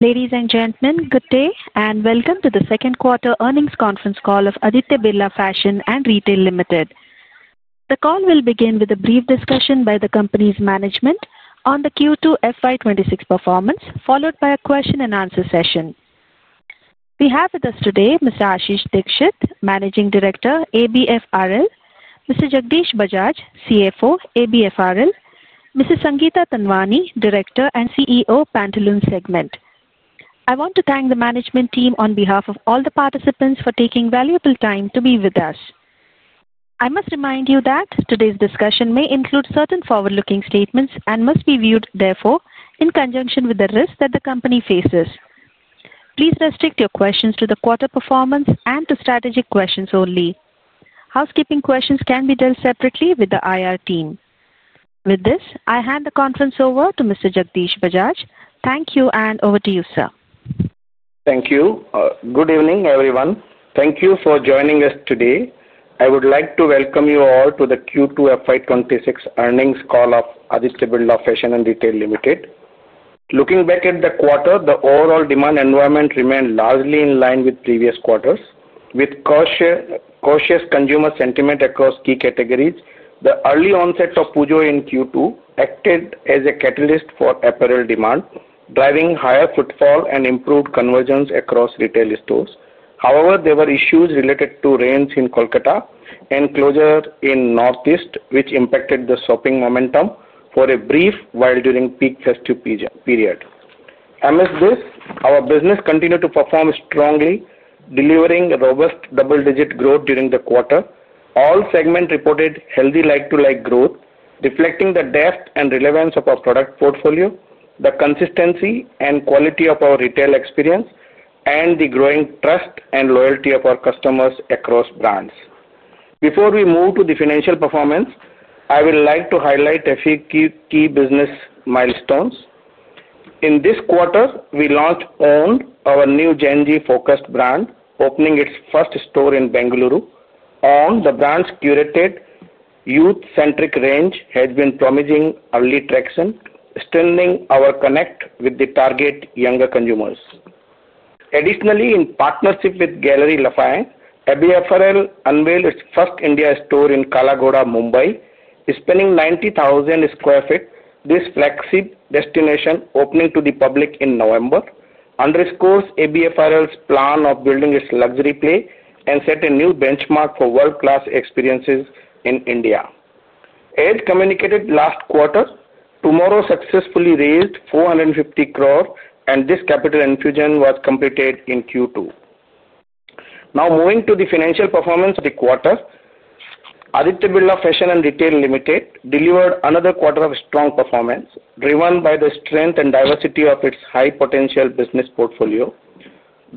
Ladies and gentlemen, good day and welcome to the second quarter earnings conference call of Aditya Birla Fashion and Retail Limited. The call will begin with a brief discussion by the company's management on the Q2 FY 2026 performance followed by a question and answer session. We have with us today Mr. Ashish Dikshit, Managing Director, ABFRL, Mr. Jagdish Bajaj, CFO, ABFRL, Mrs. Sangeeta Tanwani, Director and CEO, Pantaloons Segment. I want to thank the management team on behalf of all the participants for taking valuable time to be with us. I must remind you that today's discussion may include certain forward-looking statements and must be viewed therefore, in conjunction with the risk that the company faces. Please restrict your questions to the quarter performance and to strategic questions. Only housekeeping questions can be dealt separately with the IR team. With this, I hand the conference over to Mr. Jagdish Bajaj. Thank you. And over to you sir. Thank you. Good evening everyone. Thank you for joining us today. I would like to welcome you all to the Q2 FY 2026 earnings call of Aditya Birla Fashion and Retail Limited. Looking back at the quarter, the overall demand environment remained largely in line with previous quarters with cautious consumer sentiment across key categories. The early onset of Pujo in Q2 acted as a catalyst for apparel demand, driving higher footfall and improved conversions across retail stores. However, there were issues related to rains in Kolkata and closure in Northeast India which impacted the shopping momentum for a brief while during peak festive period. Amidst this, our business continued to perform strongly, delivering robust double-digit growth during the quarter. All segments reported healthy like-for-like growth reflecting the depth and relevance of our product portfolio, the consistency and quality of our retail experience, and the growing trust and loyalty of our customers across brands. Before we move to the financial performance, I would like to highlight a few key business milestones. In this quarter we launched OWND!, our new Gen Z-focused brand, opening its first store in Bengaluru. OWND!, the brand's curated youth-centric range, has been promising early traction, strengthening our connect with the target younger consumers. Additionally, in partnership with Galeries Lafayette, ABFRL unveiled its first India store in Kala Ghoda, Mumbai. Spanning 90,000 sq ft, this flagship destination opening to the public in November underscores ABFRL's plan of building its luxury play and sets a new benchmark for world-class experiences in India. As communicated last quarter, TMRW successfully raised 450 crore and this capital infusion was completed in Q2. Now moving to the financial performance of the quarter, Aditya Birla Fashion and Retail Limited delivered another quarter of strong performance driven by the strength and diversity of its high potential business portfolio.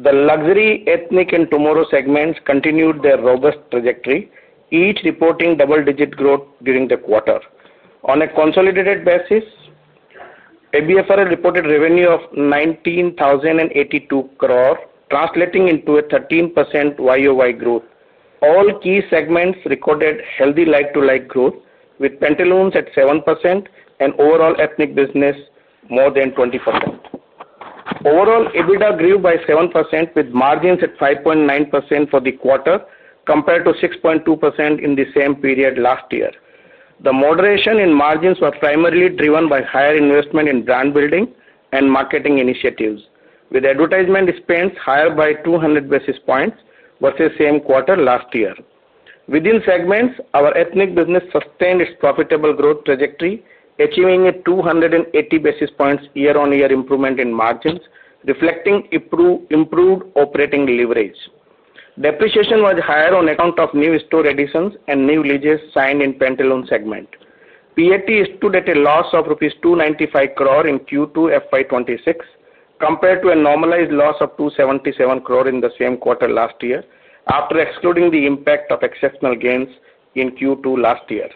The Luxury, Ethnic, and TMRW segments continued their robust trajectory, each reporting double-digit growth during the quarter. On a consolidated basis, ABFRL reported revenue of 1,900.82 crore, translating into a 13% YoY growth. All key segments recorded healthy like-for-like growth with Pantaloons at 7% and overall Ethnic business more than 20%. Overall, EBITDA grew by 7% with margins at 5.9% for the quarter compared to 6.2% in the same period last year. The moderation in margins were primarily driven by higher investment in brand building and marketing initiatives with advertisement spends higher by 200 basis points versus same quarter last year. Within segments, our Ethnic business sustained its profitable growth trajectory achieving a 280 basis points year-on-year improvement in margins reflecting improved operating leverage. Depreciation was higher on account of new store additions and new leases signed in Pantaloons segment. PAT stood at a loss of rupees 295 crore in Q2 FY 2026 compared to a normalized loss of 277 crore in the same quarter last year. After excluding the impact of exceptional gains in Q2 last year,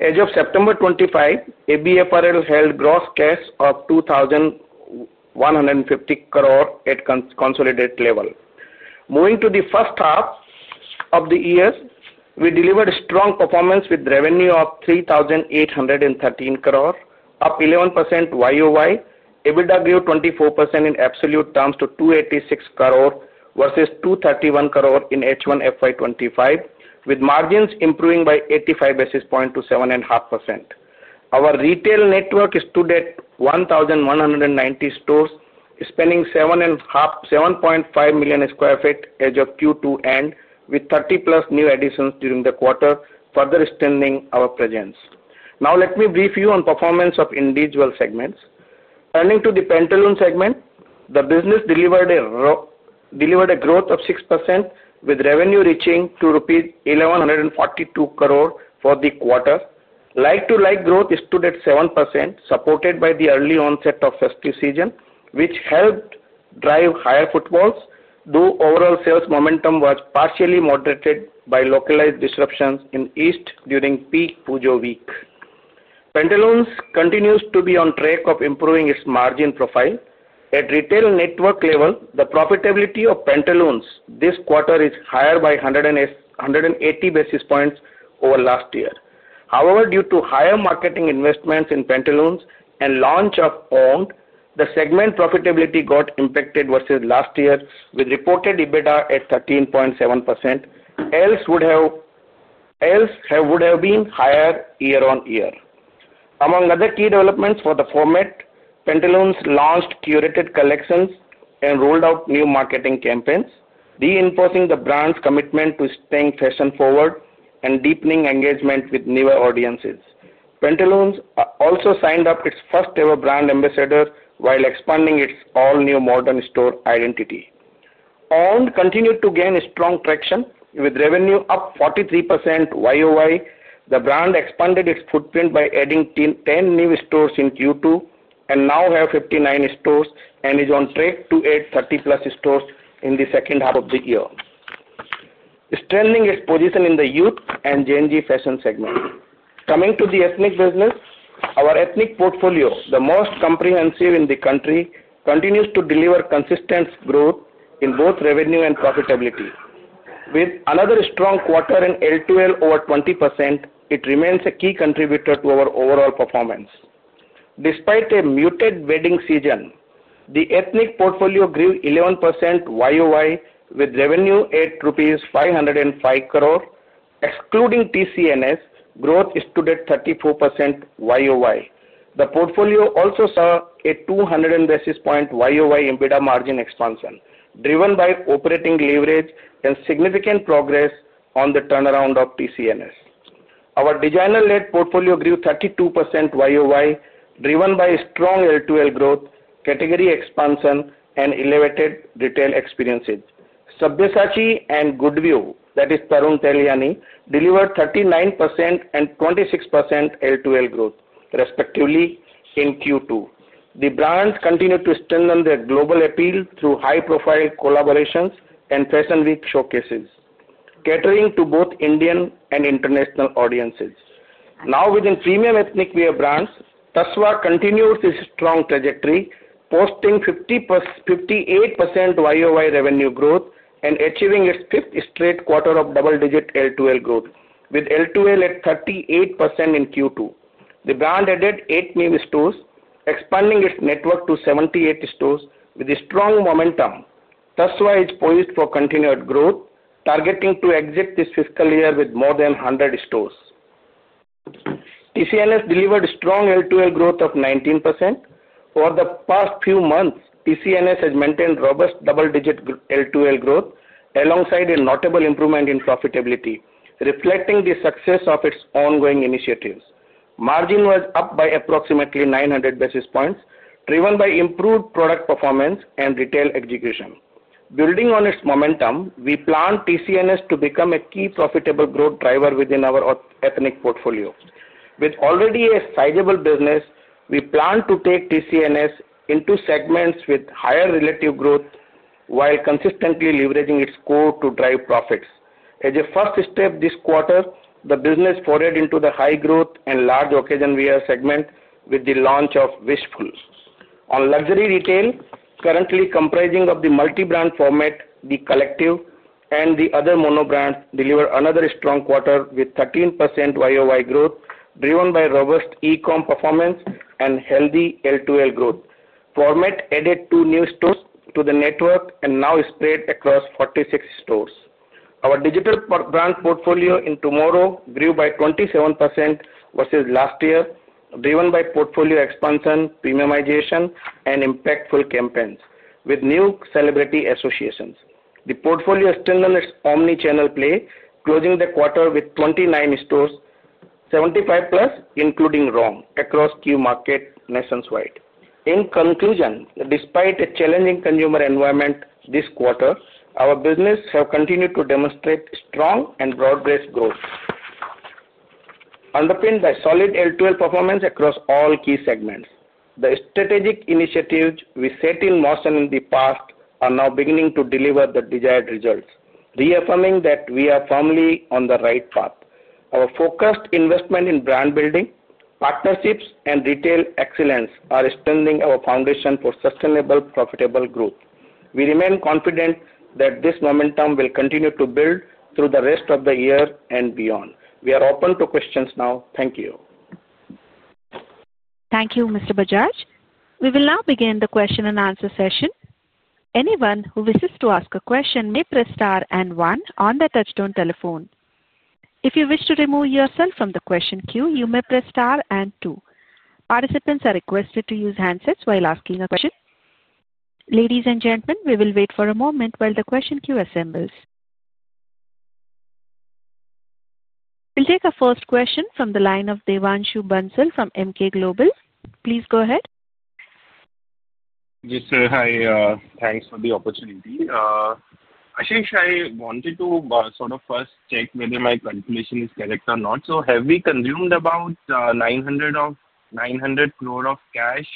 as of September 25, ABFRL held gross cash of 2,150 crore at consolidated level. Moving to the first half of the year, we delivered strong performance with revenue of 3,813 crore up 11% YoY. EBITDA gave 24% in absolute terms to 286 crore versus 231 crore in H1 FY 2025 with margins improving by 85 basis points to 7.5%. Our retail network is today 1,190 stores spanning 7.5 million sq ft as of Q2 and with 30+ new additions during the quarter, further extending our presence. Now let me brief you on performance of individual segments. Turning to the Pantaloons segment, the business delivered a growth of 6% with revenue reaching to rupees 1,142 crore for the quarter. Like-for-like growth stood at 7% supported by the early onset of festive season which helped drive higher footfalls. Though overall sales momentum was partially moderated by localized disruptions in East during peak Pujo week, Pantaloons continues to be on track of improving its margin profile. At retail network level, the profitability of Pantaloons this quarter is higher by 180 basis points over last year. However, due to higher marketing investments in Pantaloons and launch of OWND!, the segment profitability got impacted versus last year with reported EBITDA at 13.7% and else would have been higher year-on-year. Among other key developments for the format, Pantaloons launched curated collections and rolled out new marketing campaigns, reinforcing the brand's commitment to staying fashion forward and deepening engagement with newer audiences. Pantaloons also signed up its first ever brand ambassador while expanding its all new modern store identity. OWND! continued to gain strong traction with revenue up 43% YoY. The brand expanded its footprint by adding 10 new stores in Q2 and now have 59 stores and is on track to add 30+ stores in the second half of the year, strengthening its position in the youth and Gen Z fashion segment. Coming to the Ethnic Business, our Ethnic portfolio, the most comprehensive in the country, continues to deliver consistent growth in both revenue and profitability with another strong quarter in L2L over 20%. It remains a key contributor to our overall performance. Despite a muted wedding season, the Ethnic portfolio grew 11% YoY with revenue at 505 crore rupees. Excluding TCNS, growth stood at 34%. The portfolio also saw a 200 basis point YoY EBITDA margin expansion driven by operating leverage and significant progress on the turnaround of TCNS. Our designer-led portfolio grew 32% YoY driven by strong L2L growth, category expansion, and elevated retail experiences. Sabyasachi and, good view, that is Tarun Tahiliani, delivered 39% and 26% L2L growth respectively in Q2. The brands continued to strengthen their global appeal through high-profile collaborations and Fashion Week showcases catering to both Indian and international audiences. Now within premium Ethnic wear brands, TASVA continues its strong trajectory, posting 58% YoY revenue growth and achieving its fifth straight quarter of double-digit L2L growth, with L2L at 38%. In Q2, the brand added eight new stores, expanding its network to 78 stores. With strong momentum, TASVA is poised for continued growth, targeting to exit this fiscal year with more than 100 stores. TCNS delivered strong L2L growth of 19%. Over the past few months, TCNS has maintained robust double-digit L2L growth alongside a notable improvement in profitability, reflecting the success of its ongoing initiatives. Margin was up by approximately 900 basis points, driven by improved product performance and retail execution. Building on its momentum, we plan TCNS to become a key profitable growth driver within our Ethnic portfolio. With already a sizable business, we plan to take TCNS into segments with higher relative growth while consistently leveraging its core to drive profits. As a first step this quarter, the business forayed into the high growth and large occasion wear segment with the launch of Wishful. On luxury retail, currently comprising of the multi-brand format, The Collective and the other mono brands delivered another strong quarter with 13% YoY growth driven by robust E-Com performance and healthy L2L growth. The format added two new stores to the network and now is spread across 46 stores. Our digital brand portfolio in TMRW grew by 27% versus last year, driven by portfolio expansion, premiumization, and impactful campaigns with new celebrity associations. The portfolio has strengthened its omnichannel play, closing the quarter with 29 stores, 75+ including Rome, across key markets nationwide. In conclusion, despite a challenging consumer environment this quarter, our business have continued to demonstrate strong and broad-based growth underpinned by solid L2L performance across all key segments. The strategic initiatives we set in motion in the past are now beginning to deliver the desired results, reaffirming that we are firmly on the right path. Our focused investment in brand building, partnerships, and retail excellence are extending our foundation for sustainable, profitable growth. We remain confident that this momentum will continue to build through the rest of the year and beyond. We are open to questions now. Thank you. Thank you, Mr. Bajaj. We will now begin the question and answer session. Anyone who wishes to ask a question may press Star and One on the touchtone telephone. If you wish to remove yourself from the question queue, you may press Star and Two. Participants are requested to use handsets while asking a question. Ladies and gentlemen, we will wait for a moment while the question queue assembles. We will take our first question from the line of Devanshu Bansal from Emkay Global. Please go ahead. Yes sir. Hi, thanks for the opportunity, Ashish. I wanted to sort of first check whether my calculation is correct or not. Have we consumed about 900 of. 900 crore of cash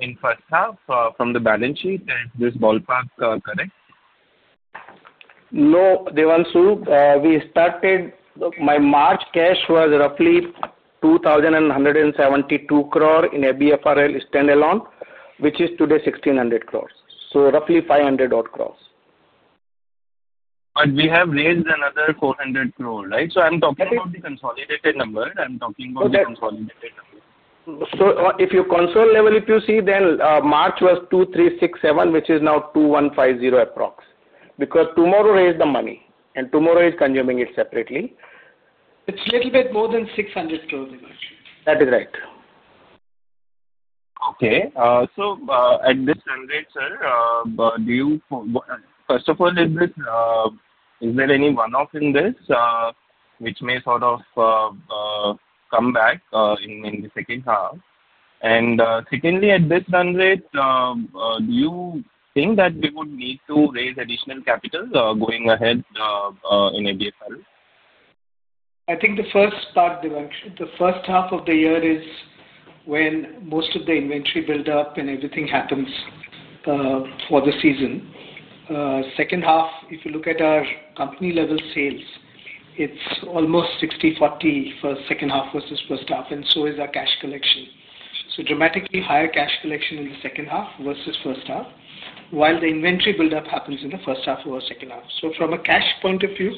in first half from the balance sheet and this ballpark correct? No Devanshu, we started my March cash was roughly 2,072 crore in ABFRL standalone which is today 1,600 crore. So roughly 500 odd crore. But we have raised another 400 crore. Right. I'm talking about the consolidated number. I'm talking about consolidated. If you see at the console level, March was 2,367 which is now 2,150 approx. Because TMRW raised the money and TMRW is consuming it separately. It's a little bit more than 600 crore. That is right. Okay, so at this run rate sir, do you first of all is there any one off in this which may? Sort of come back in the second half. Secondly, at this run rate, do. You think that we would need to raise additional capital going ahead in ABFRL? I think the first part, Devanshu, the first half of the year is when most of the inventory buildup and everything happens for the season. Second half, if you look at our company level sales, it is almost 60:40 first second half versus first half. And so is our cash collection. Dramatically higher cash collection in the second half versus first half while the inventory buildup happens in the first half versus second half. From a cash point of view,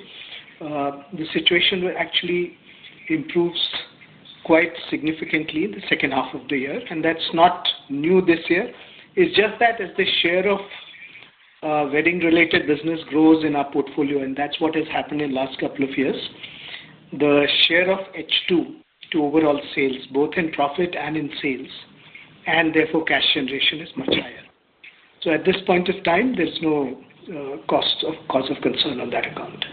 the situation actually improves quite significantly in the second half of the year. That is not new this year. It is just that as the share of wedding related business grows in our portfolio and that is what has happened in the last couple of years, the share of H2 to overall sales, both in profit and in sales and therefore cash generation is much higher. At this point of time there's no cause of concern on that account.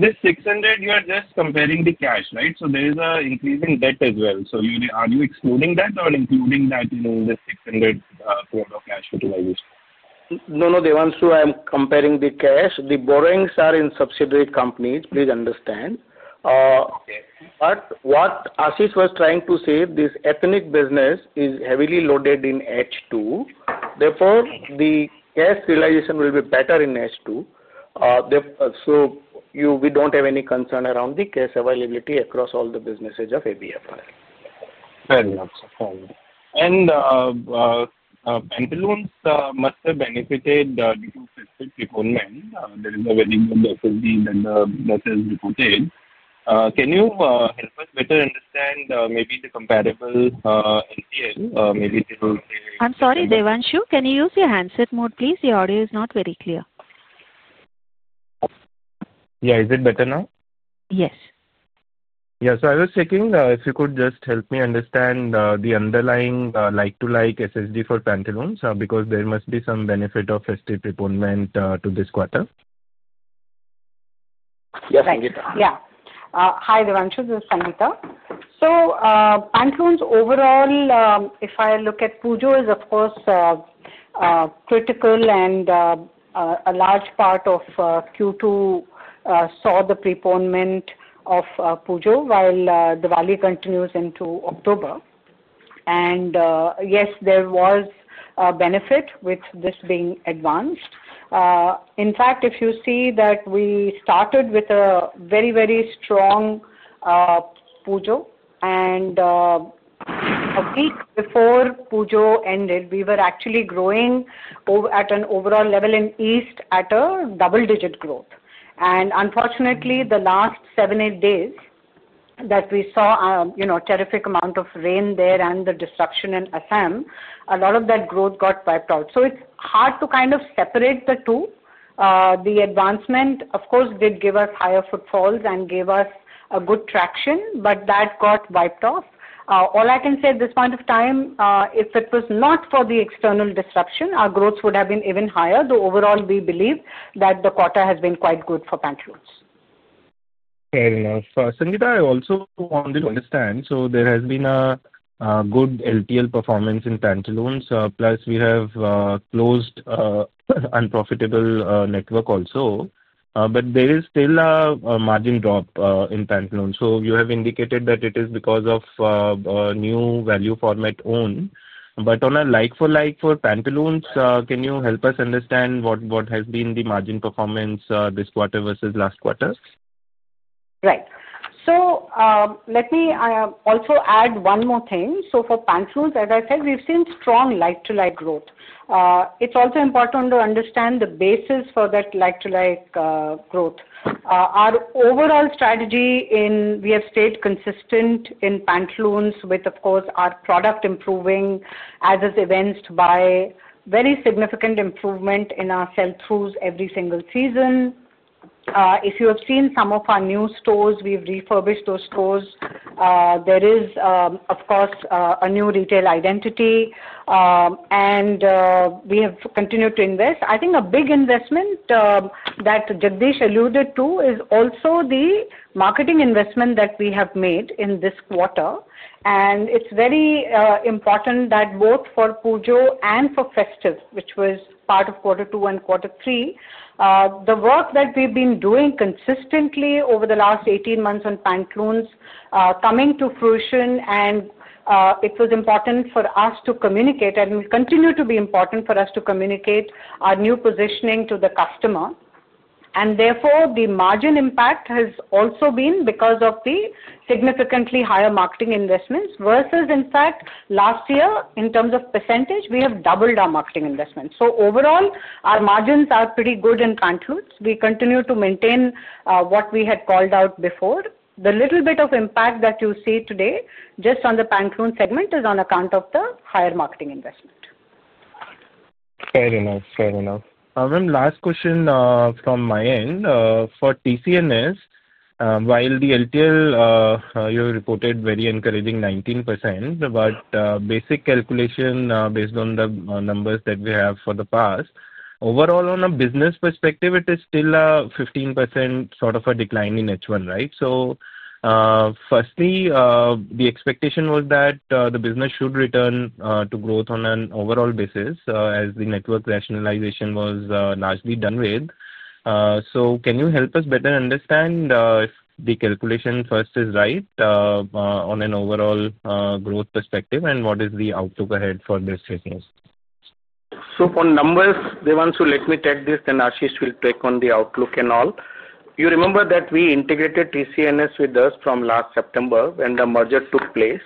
Yes, this 600, you are just comparing the cash, right? There is an increasing debt as well. Are you excluding that or including that in the 600? No, no Devanshu, I am comparing the cash. The borrowings are in subsidiary companies. Please understand. What Ashish was trying to say, this Ethnic business is heavily loaded in H2 there. The cash realization will be better in H2. So you. We don't have any concern around the case availability across all the businesses of. ABFRL. Pantaloons must have benefited the two specific requirement. There is a very good SSD that the vessels reported. Can you help us better understand maybe the comparable? I'm sorry, Devanshu, can you use your handset mode please? The audio is not very clear. Yeah. Is it better now? Yes. Yeah. I was checking if you could. Just help me understand the underlying like-to-like L2L for Pantaloons because there must be some benefit of estate preponement to this quarter. Yes. Yeah. Hi Devanshu, this is Sangeeta. Pantaloons overall, if I look at Pujo, is of course critical, and a large part of Q2 saw the preponement of Pujo while Diwali continues into October. Yes, there was a benefit with this being advanced. In fact, if you see that we started with a very, very strong Pujo, and a week before Pujo ended, we were actually growing at an overall level in east at a double-digit growth. Unfortunately, the last seven or eight days that we saw, you know, a terrific amount of rain there and the disruption in Assam, a lot of that growth got wiped out. It is hard to kind of separate the two. The advancement, of course, did give us higher footfalls and gave us good traction, but that got wiped off. All I can say at this point of time, if it was not for the external disruption, our growth would have been even higher. Though overall we believe that the quarter has been quite good for Pantaloons. Fair enough. Sangeeta. I also wanted to understand. There has been a good L2L performance in Pantaloons plus we have closed unprofitable network also. There is still a margin drop in Pantaloons. You have indicated that it is because of new value format OWND!. On a like-for-like for Pantaloons, can you help us understand what has been the margin performance this quarter versus last quarter? Right. Let me also add one more thing. For Pantaloons, as I said, we've seen strong like-to-like growth. It's also important to understand the basis for that like-to-like overall strategy in we have stayed consistent in Pantaloons with, of course, our product improving as is evinced by very significant improvement in our sell-throughs every single season. If you have seen some of our new stores, we've refurbished those stores. There is, of course, a new retail identity and we have continued to invest. I think a big investment that Jagdish alluded to is also the marketing investment that we have made in this quarter. It's very important that both for Pujo and for Festive, which was part of quarter two and quarter three, the work that we've been doing consistently over the last 18 months on Pantaloons is coming to fruition. It was important for us to communicate and it continues to be important for us to communicate our new positioning to the customer. Therefore, the margin impact has also been because of the significantly higher marketing investments versus, in fact, last year. In terms of percentage, we have doubled our marketing investments. Overall, our margins are pretty good in Pantaloons. We continue to maintain what we had called out before. The little bit of impact that you see today just on the Pantaloons segment is on account of the higher marketing investment. Fair enough, fair enough. Last question from my end for TCNS. While the L2L you reported very encouraging 19% but basic calculation based on the numbers that we have for the past overall on a business perspective, it is still a 15% sort of a decline in H1, right. Firstly the expectation was that the business should return to growth on an overall basis as the network rationalization was largely done with. Can you help us better understand if the calculation first is right on an overall growth perspective and what is. The outlook ahead for this business. For numbers, Devanshu, let me take this. Ashish will take on the outlook and all. You remember that we integrated TCNS with us from last September when the merger took place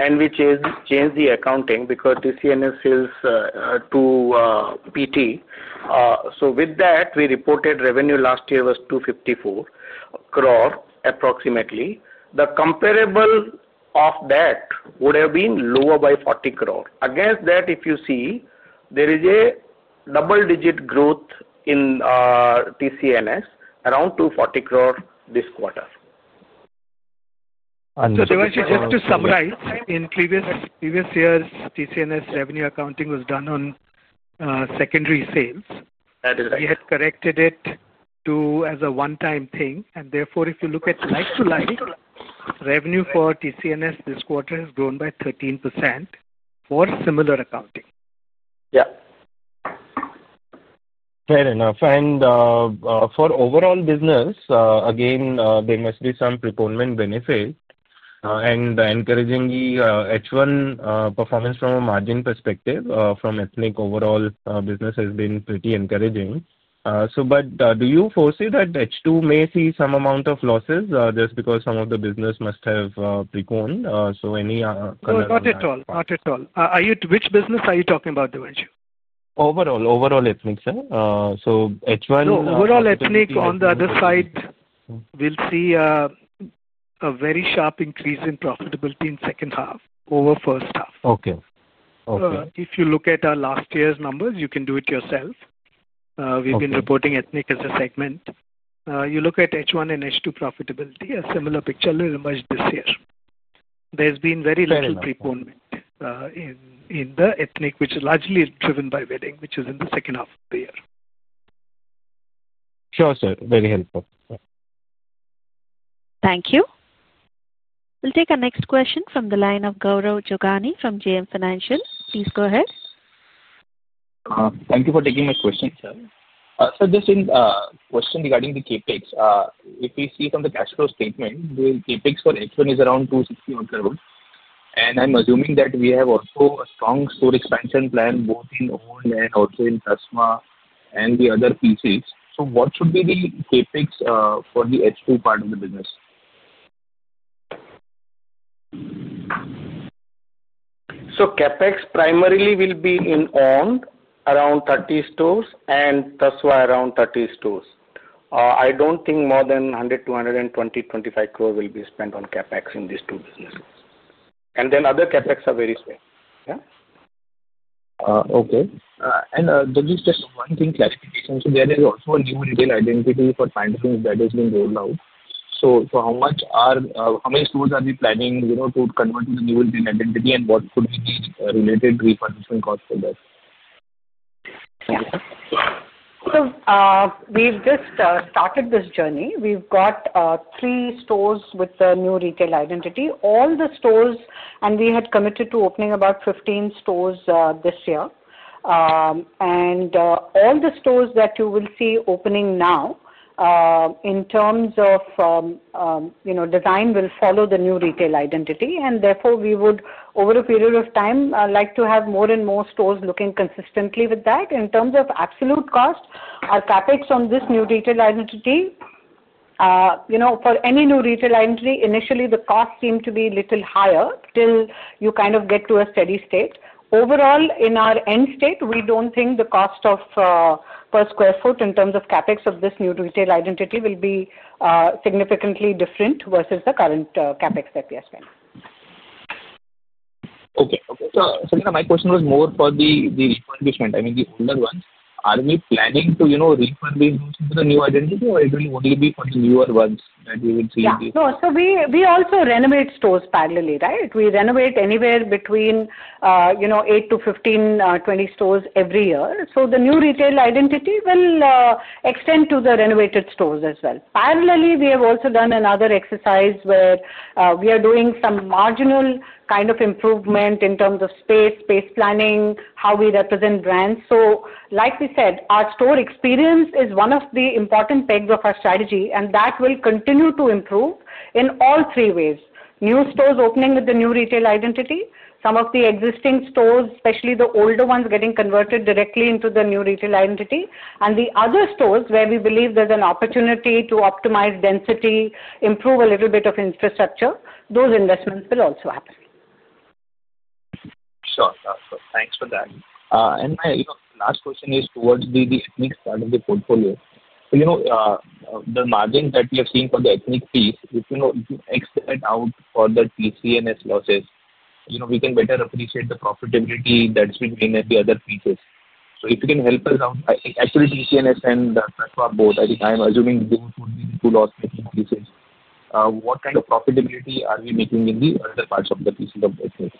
and we changed the accounting because TCNS is to P&L. With that, we reported revenue last year was 254 crore approximately. The comparable of that would have been lower by 40 crore. Against that, if you see, there is a double-digit growth in TCNS, around 240 crore this quarter. Just to summarize, in previous years TCNS revenue accounting was done on secondary sales. We had corrected it as a one-time thing, and therefore if you look at like-to-like revenue for TCNS, this quarter has grown by 13% for similar accounting. Yeah. Fair enough. For overall business again there must be some preponement benefit and encouraging the H1 performance from a margin perspective from Ethnic overall business has been pretty encouraging. But do you foresee that H2? May see some amount of losses just because some of the business must have precon. So any. Which business are you talking about? Devanshu Overall overall Ethnic, sir. Overall Ethnic on the other side will see a very sharp increase in profitability in second half over first half. Okay. If you look at our last year's numbers you can do it yourself. We've been reporting Ethnic as a segment. You look at H1 and H2 profitability, a similar picture emerged this year. There's been very little preponement in the Ethnic, which is largely driven by wedding, which is in the second half of the year. Sure sir, very helpful. Thank you. We'll take our next question from the line of Gaurav Jogani from JM Financial. Please go ahead. Thank you for taking my question sir. This is a question regarding the CapEx. If we see from the cash flow statement, the CapEx for H1 is around 261 million, and I'm assuming that we have also a strong store expansion plan both in old and also in TASVA and the other PCs. What should be the CapEx for the H2 part of the business? CapEx primarily will be in on around 30 stores and that's why around 30 stores. I don't think more than INR 100-220-25 crore will be spent on capex in these two businesses and then other capex are very small. Yeah. Okay. There is just one thing, classification. There is also a new retail identity for financing that has been rolled out. How many stores are we planning to convert to the new green identity, and what could be the related refurbishment cost for that? We've just started this journey. We've got three stores with new retail identity. All the stores, and we had committed to opening about 15 stores this year. All the stores that you will see opening now in terms of design will follow the new retail identity. Therefore, we would over a period of time like to have more and more stores looking consistently with that. In terms of absolute cost, our CapEx on this new retail identity, for any new retail entry initially, the cost seems to be a little higher till you kind of get to a steady state. Overall, in our end state, we do not think the cost per sq ft in terms of CapEx of this new retail identity will be significantly different versus the current CapEx that we are spending. Okay, so my question was more for the refurbishment. I mean, the older ones, are we planning to, you know, refurbish those into the new identity or it will only be for the newer ones that you would see? We also renovate stores. Parallel. Right. We renovate anywhere between eight to 15-20 stores every year. The new retail identity will extend to the renovated stores as well. Parallel, we have also done another exercise where we are doing some marginal kind of improvement in terms of space, space planning, how we represent brands. Like we said, our store experience is one of the important pegs of our strategy and that will continue to improve in all three ways. New stores opening with the new retail identity. Some of the existing stores, especially the older ones, getting converted directly into the new retail identity. The other stores where we believe there is an opportunity to optimize density, improve a little bit of infrastructure, those investments will also happen. Sure, thanks for that. My last question is towards the Ethnic side of the portfolio. The margin that we have seen for the Ethnic piece, if you exit out for the TCNS losses, you know, we can better appreciate the profitability that's between every other features. If you can help us out. I think actually TCNS and I think. I'm assuming. What kind of profitability are we making in the other parts of the piece of business?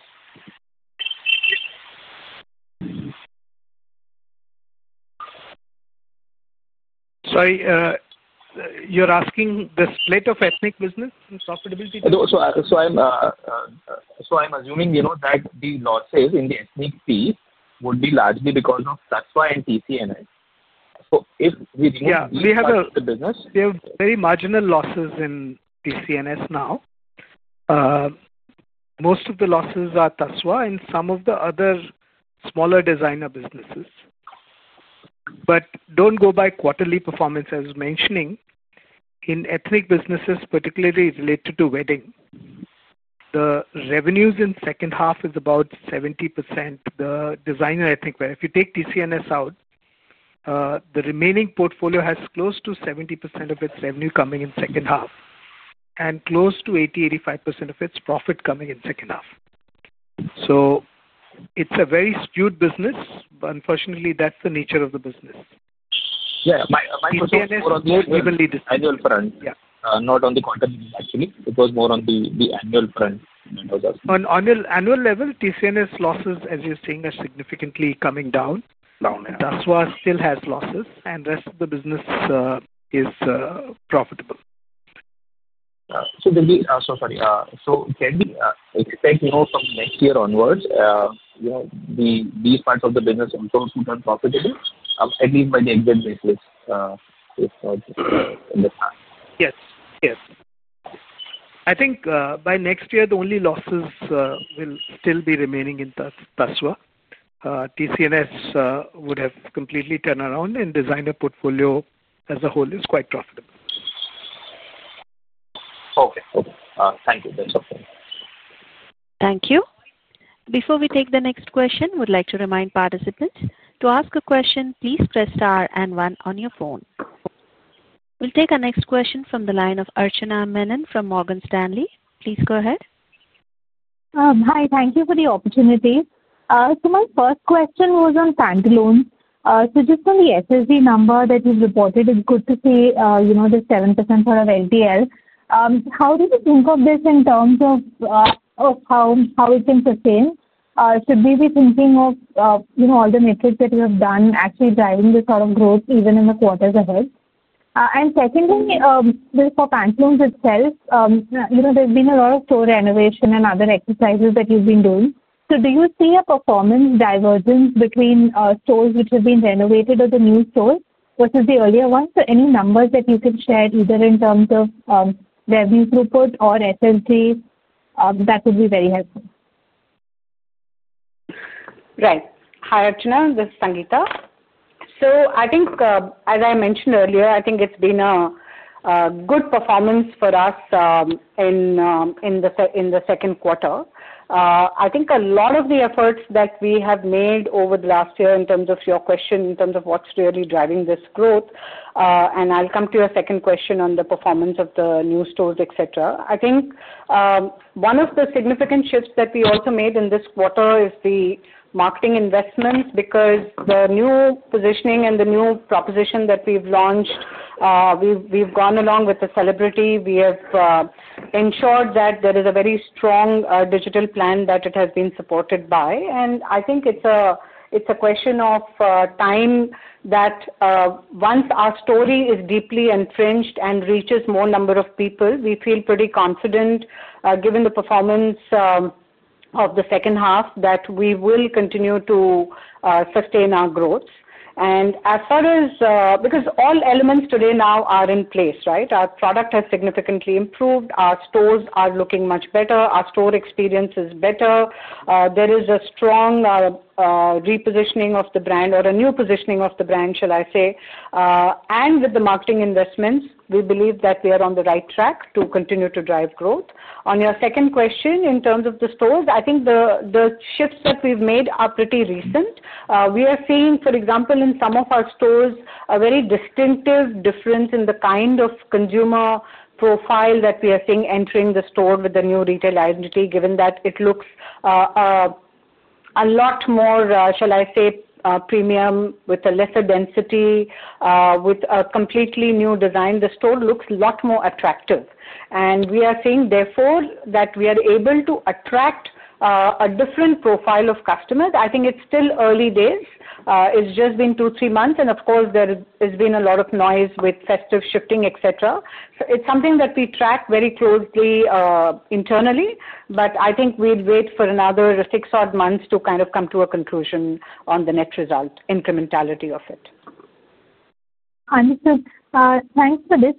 Sorry, you're asking the split of Ethnic business and profitability? So I'm. I'm assuming, you know, that the losses in the Ethnic fee would be largely because of TASVA and TCNS. We have very marginal losses in TCNS now. Most of the losses are TASVA and some of the other smaller designer businesses. Do not go by quarterly performance as mentioning in Ethnic businesses, particularly related to wedding, the revenues in second half is about 70%. The designer, I think if you take TCNS out, the remaining portfolio has close to 70% of its revenue coming in second half and close to 80-85% of its profit coming in second half. It is a very skewed business. Unfortunately, that is the nature of the business. Annual front, not on the continent. Actually, it was more on the annual. Front on your annual level. TCNS losses as you're seeing are significantly coming down. TASVA still has losses and rest of the business is profitable. From next year onwards. These parts of the business also put on profitable at least by the exit basis. Yes, yes. I think by next year the only losses will still be remaining in TASVA. TCNS would have completely turned around and designer portfolio as a whole is quite profitable. Okay, thank you. That's ok. Thank you. Before we take the next question, would like to remind participants to ask a question. Please press Star and One on your phone. We'll take our next question from the line of Archana Menon from Morgan Stanley. Please go ahead. Hi. Thank you for the opportunity. My first question was on bank loans. Just from the SSD number that. You've reported, it's good to see you. Know the 7% for our L2L. How do you think of this in terms of how it can sustain? Should we be thinking of all the. Metrics that you have done actually driving. This kind of growth even in the quarters ahead? Secondly, for Pantaloons itself, you know there's been a lot of store renovation and other exercises that you've been doing. Do you see a performance divergence between stores which have been renovated or the new stores versus the earlier ones? Any numbers that you can share either in terms of revenue throughput or SSS, that would be very helpful. Right. Hi Archana, this is Sangeeta. I think as I mentioned earlier, I think it's been a good performance for us in the second quarter. I think a lot of the efforts that we have made over the last year in terms of your question in terms of what's really driving this growth and I'll come to a second question on the performance of the new stores, etc. I think one of the significant shifts that we also made in this quarter is the marketing investments. Because the new positioning and the new proposition that we've launched. We've gone along with the celebrity. We have ensured that there is a very strong digital plan that it has been supported by. I think it's a question of time that once our story is deeply entrenched and reaches more people, we feel pretty confident given the performance of the second half that we will continue to sustain our growth. As far as because all elements today now are in place, right, our product has significantly improved, our stores are looking much better, our store experience is better, there is a strong repositioning of the brand or a new positioning of the brand, shall I say. With the marketing investment we believe that we are on the right track to continue to drive growth. On your second question in terms of the stores, I think the shifts that we've made are pretty recent. We are seeing, for example, in some of our stores a very distinctive difference in the kind of consumer profile that we are seeing entering the store with the new retail identity. Given that it looks a lot more, shall I say, premium with a lesser density, with a completely new design, the store looks a lot more attractive and we are seeing, therefore, that we are able to attract a different profile of customers. I think it's still early days, it's just been two, three months and of course there has been a lot of noise with festive shifting, etc. It's something that we track very closely internally. I think we'd wait for another six odd months to kind of come to a conclusion on the net result incrementality of it. Understood. Thanks for this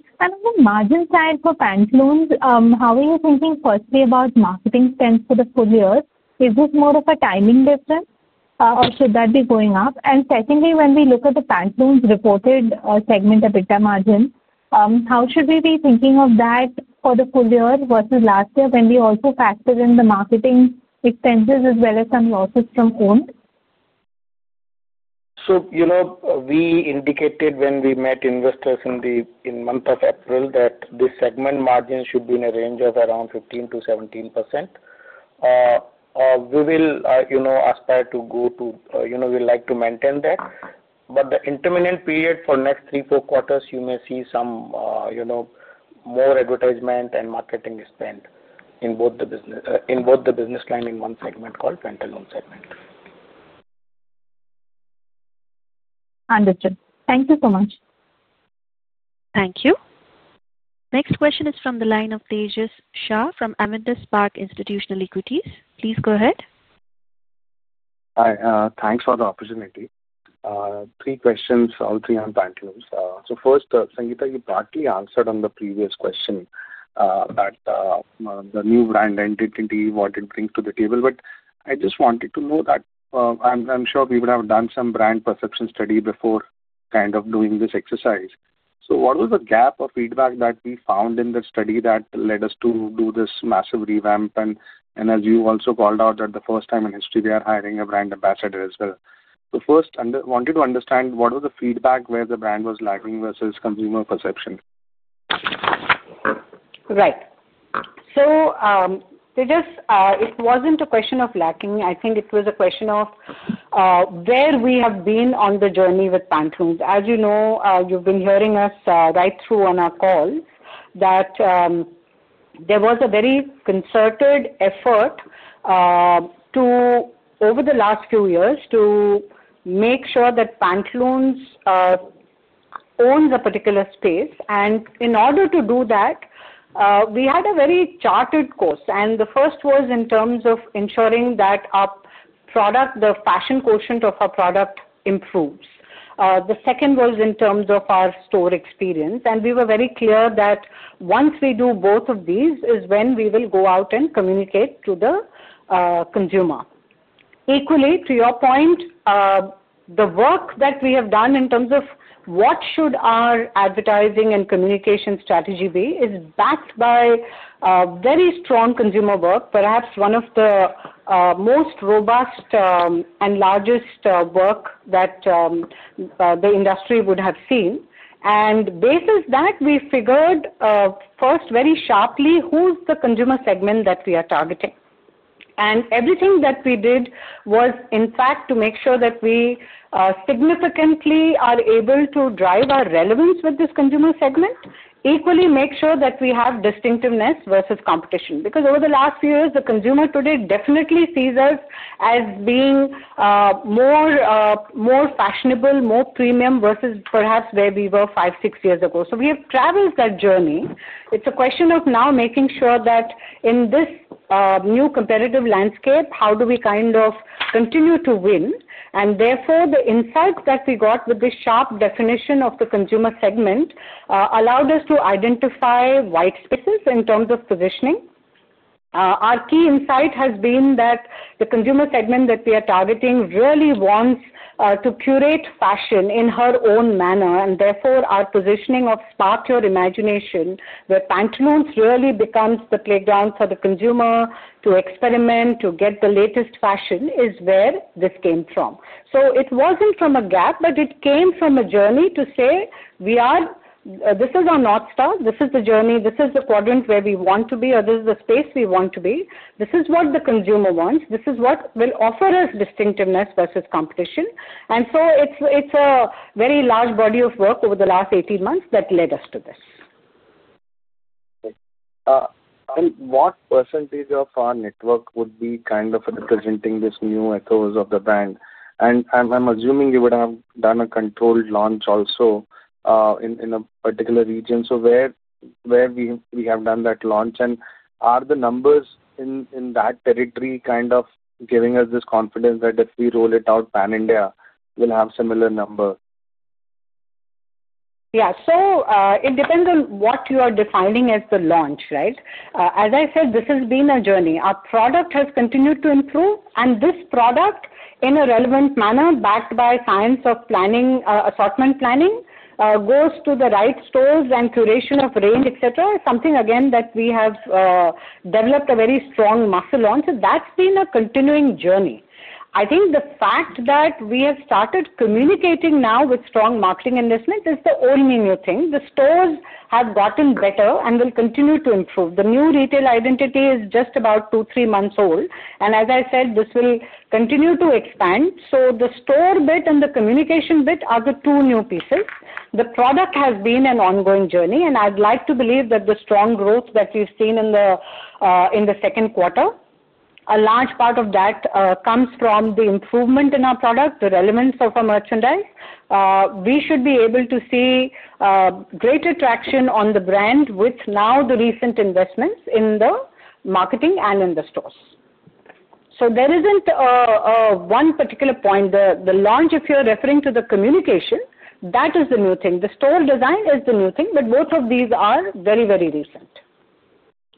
margin side for Pantaloons. How are you thinking firstly about marketing spend for the full year? Is this more of a timing difference or should that be going up? Secondly, when we look at the Pantaloons reported segment EBITDA margin, how should we be thinking of that for the full year versus last year when we also factored in the marketing as well as some losses from home. You know we indicated when we met investors in the month of April that this segment margin should be. In a range of around 15-17%. We will, you know, aspire to go to, you know, we like to maintain that. In the intermittent period for next three, four quarters you may see some, you know, more advertisement and marketing spend in both the business line in one segment called rental loan segment. Understood. Thank you so much. Thank you. Next question is from the line of Tejash Shah from Avendus Spark Institutional Equities. Please go ahead. Hi, thanks for the opportunity. Three questions, all three on Pantaloons. First, Sangeeta, you partly answered on the previous question that the new brand identity what it brings to the table. I just wanted to know that. I'm sure we would have done some brand perception study before kind of doing this exercise. What was the gap or feedback that we found in the study that led us to do this massive revamp? As you also called out, for the first time in history they are hiring a brand ambassador as well. First, I wanted to understand what was the feedback where the brand was lagging versus consumer perception. Right. It was not a question of lacking. I think it was a question of where we have been on the journey with Pantaloons. As you know, you have been hearing us right through on our calls that there was a very concerted effort over the last few years to make sure that Pantaloons owns a particular space. In order to do that, we had a very chartered course. The first was in terms of ensuring that our product, the fashion quotient of our product, improves. The second was in terms of our store experience. We were very clear that once we do both of these is when we will go out and communicate to the consumer equally. To your point, the work that we have done in terms of what should our advertising and communication strategy be is backed by very strong consumer work, perhaps one of the most robust and largest work that the industry would have seen. Basis that, we figured first, very sharply, who's the consumer segment that we are targeting. Everything that we did was in fact to make sure that we significantly are able to drive our relevance with this consumer segment, equally make sure that we have distinctiveness versus competition. Over the last few years, the consumer today definitely sees us as being more fashionable, more premium, versus perhaps where we were five, six years ago. We have traveled that journey. It's a question of now making sure that in this new competitive landscape, how do we kind of continue to win. Therefore, the insights that we got with the sharp definition of the consumer segment allowed us to identify white spaces in terms of positioning. Our key insight has been that the consumer segment that we are targeting really wants to curate fashion in her own manner. Therefore, our positioning of spark your imagination, where Pantaloons really becomes the playground for the consumer to experiment to get the latest fashion, is where this came from. It was not from a gap, but it came from a journey to say, this is our North Star, this is the journey, this is the quadrant where we want to be, or this is the space we want to be. This is what the consumer wants, this is what will offer us distinctiveness versus competition. It is a very large body of work over the last 18 months that led us to this. What percentage of our network would be kind of representing this new echoes of the brand? I'm assuming you would have done a controlled launch also in a particular region. Where have we done that launch, and are the numbers in that territory kind of giving us this confidence that if we roll it out Pan India, we will have similar number? Yeah. It depends on what you are defining as the launch, right. As I said, this has been a journey. Our product has continued to improve and this product in a relevant manner backed by science of planning, assortment planning goes to the right stores and curation of rain, etc., something again that we have developed a very strong muscle on. That has been a continuing journey. I think the fact that we have started communicating now with strong marketing investment is the only new thing. The stores have gotten better and will continue to improve. The new retail identity is just about two, three months old. As I said, this will continue to expand. The store bit and the communication bit are the two new pieces. The product has been an ongoing journey and I'd like to believe that the strong growth that we've seen in the second quarter, a large part of that comes from the improvement in our product, the relevance of our merchandise. We should be able to see greater traction on the brand with now the recent investments in the marketing and in the stores. There isn't one particular point, the launch, if you're referring to the communication, that is the new thing. The store design is the new thing. Both of these are very, very recent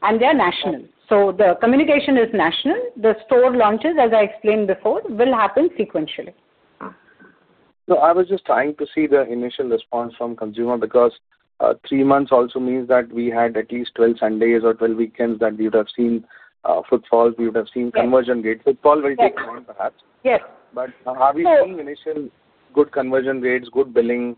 and they are national, so the communication is national. The store launches, as I explained before, will happen sequentially. I was just trying to see the initial response from consumer because three months also means that we had at least 12 Sundays or 12 weekends that we would have seen footfalls, we would have seen conversion rate, footfall will take perhaps. Yes, but have you seen initial good? Conversion rates, good billing.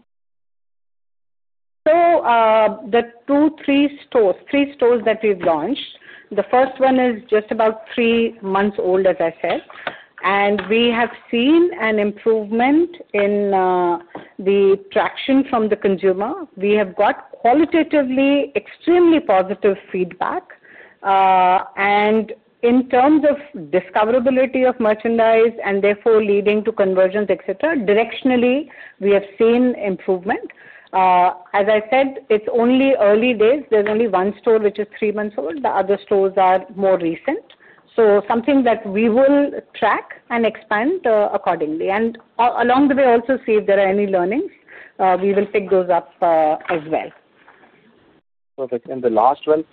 The two, three stores, three stores that we have launched, the first one is just about three months old, as I said, and we have seen an improvement in the traction from the consumer. We have got qualitatively extremely positive feedback and in terms of discoverability of merchandise and therefore leading to conversions, etc. Directionally we have seen improvement. As I said, it is only early days. There is only one store which is three months old. The other stores are more recent. Something that we will track and expand accordingly. Along the way also see if there are any learnings. We will pick those up as well. Perfect. The last one.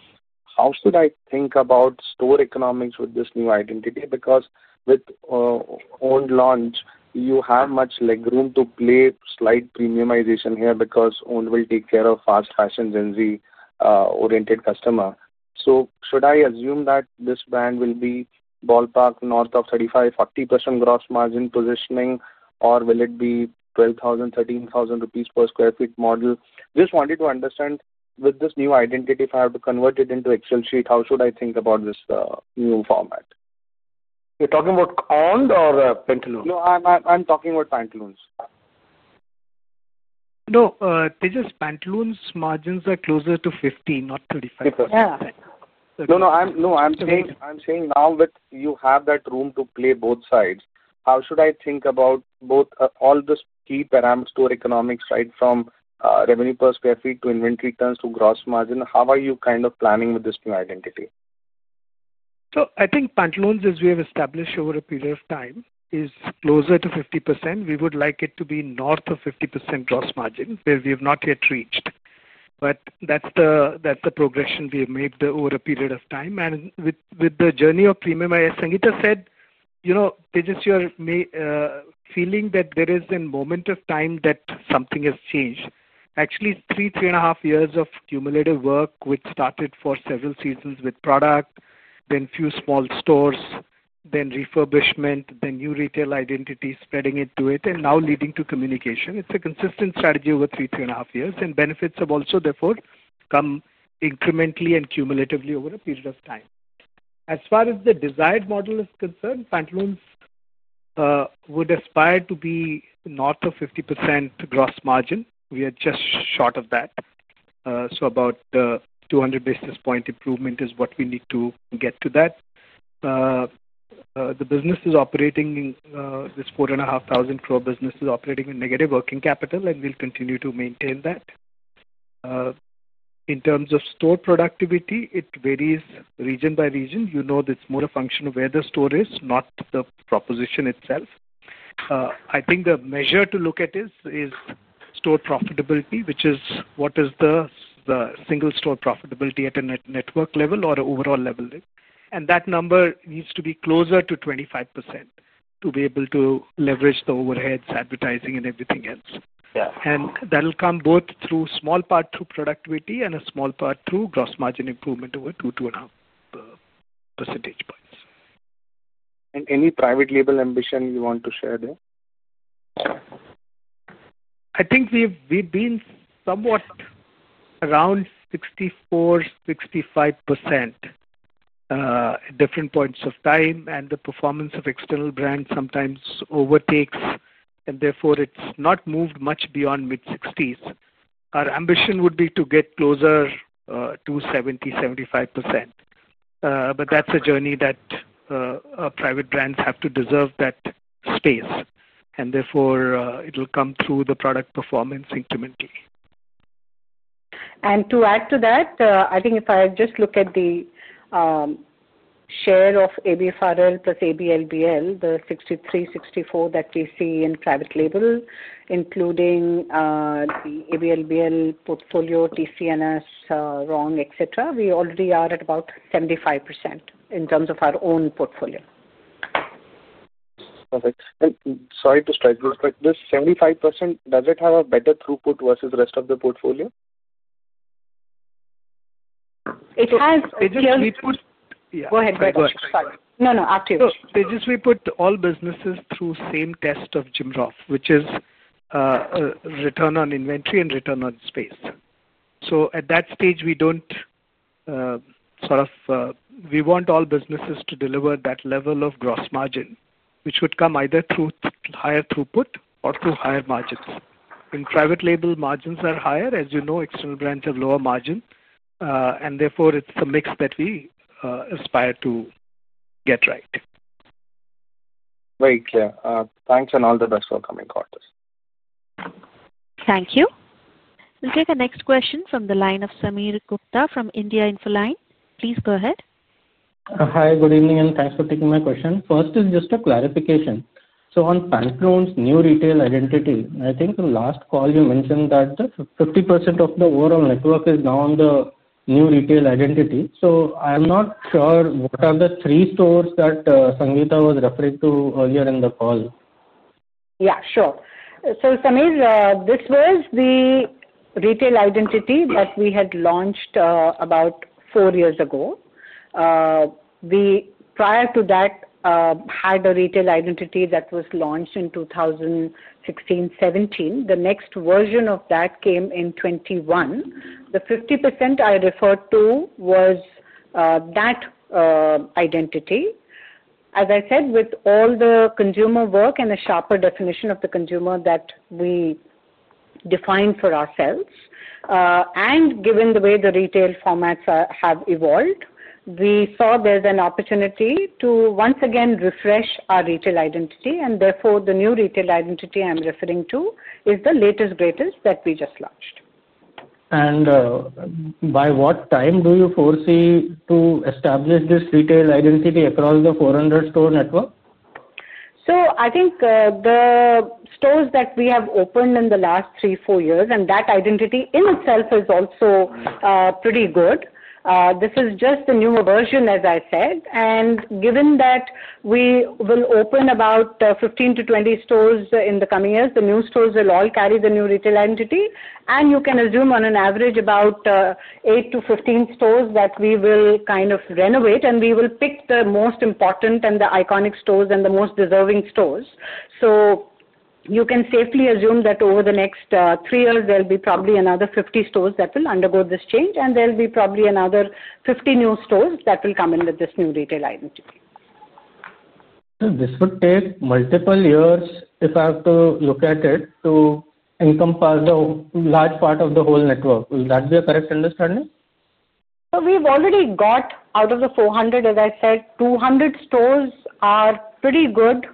How should I think about store economics with this new identity? Because with OWND! launch you have much legroom to play. Slight premiumization here. Because OWND! will take care of fast fashion Gen Z oriented customer. Should I assume that this brand will be ballpark north of 35%-40% gross margin positioning or will it be 12,000-13,000 rupees per sq ft model? Just wanted to understand with this new identity, if I have to convert it into Excel sheet, how should I think. About this new format you're talking about or Pantaloons? No, I'm talking about Pantaloons. No, Tejash, Pantaloons margins are closer to 50%, not 25%. No, no, I'm. No, I'm saying. I'm saying now that you have that room to play both sides, how should I think about both? All the key parameter economics, right from revenue per sq ft to inventory turns to gross margin. How are you kind of planning with this new identity? I think Pantaloons, as we have established over a period of time, is closer to 50%. We would like it to be north of 50% gross margin, where we have not yet reached. That is the progression we have made over a period of time. With the journey of premium, as Sangeeta said, you know, Tejash, you are feeling that there is a moment of time that something has changed. Actually, three, three and a half years of cumulative work, which started for several seasons with product, then a few small stores, then refurbishment, then new retail identity, spreading it to it, and now leading to communication. It is a consistent strategy over three, three and a half years. Benefits have also therefore come incrementally and cumulatively over a period of time. As far as the desired model is concerned, Pantaloons would aspire to be north of 50% gross margin. We are just short of that. So about 200 basis point improvement is what we need to get to that. The business is operating, this four and a half thousand crore business is operating in negative working capital. We will continue to maintain that. In terms of store productivity, it varies region by region. You know, that's more a function of where the store is, not the proposition itself. I think the measure to look at is store profitability, which is what is the single store profitability at a network level or overall level. That number needs to be closer to 25% to be able to leverage the overheads, advertising and everything else. That will come both through a small part through productivity and a small part through gross margin improvement over 2%-2.5% points. Any private label ambition you want to share there? I think we've been somewhat around 64%-65% at different points of time and the performance of external brand sometimes overtakes and therefore it's not moved much beyond mid-60s. Our ambition would be to get closer to 70%-75% but that's a journey that private brands have to deserve that space and therefore it will come through the product performance incrementally. To add to that, I think if I just look at the share of ABFRL plus ABLBL, the 63-64 that we see in private label including the ABLBL portfolio, TCNS, etc., we already are at about 75%. In terms of our own portfolio. Sorry to stress this, but this 75%, does it have a better throughput versus rest of the portfolio? It has. Go ahead, Greg. No, no, we just put all businesses through the same test of Jim Rof, which is return on inventory and return on space. At that stage we do not sort of—we want all businesses to deliver that level of gross margin, which would come either through higher throughput or through higher margins. In private label, margins are higher. As you know, extreme brands have lower margin, and therefore it is a mix that we aspire to get right. Very clear. Thanks. All the best for coming quarters. Thank you. We'll take our next question from the line of Sameer Gupta from India Infoline. Please go ahead. Hi, good evening and thanks for taking my question first. Is just a clarification. On Pantaloons' new retail identity, I. Think the last call you mentioned that. 50% of the overall network is now on the new retail identity. I'm not sure what are the three stores that Sangeeta was referring to earlier in the call. Yeah, sure. Sameer, this was the retail identity that we had launched about four years ago. We, prior to that, had a retail identity that was launched in 2016-2017. The next version of that came in 2021. The 50% I referred to was that identity, as I said, with all the consumer work and a sharper definition of the consumer that we defined for ourselves. Given the way the retail formats have evolved, we saw there's an opportunity to once again refresh our retail identity. Therefore, the new retail identity I'm referring to is the latest, greatest that we just launched. By what time do you foresee to establish this retail identity across the 400 store network? I think the stores that we have opened in the last three, four years and that identity in itself is also pretty good. Good. This is just the newer version as I said. Given that we will open about 15-20 stores in the coming years, the new stores will all carry the new retail entity. You can assume on average about 8-15 stores that we will kind of renovate, and we will pick the most important and the iconic stores and the most deserving stores. You can safely assume that over the next three years there will be probably another 50 stores that will undergo this change, and there will be probably another 50 new stores that will come in with this new retail identity. This would take multiple years, if I have to look at it, to encompass a large part of the whole network. Will that be a correct understanding? We've already got out of the 400, as I said, 200 stores are pretty good.